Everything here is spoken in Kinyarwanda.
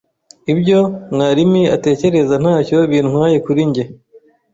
Ibyo Mwarimi atekereza ntacyo bintwaye kuri njye.